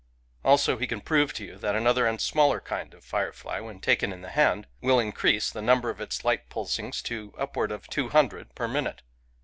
Also he can prove to you that another and smaller kind of firefly, when taken in the hand, will increase the number of its light pulsings to upward of two hundred per minute.